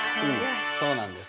そうなんです。